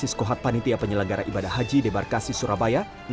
di sekolah panitia penyelenggara ibadah haji debar kasi surabaya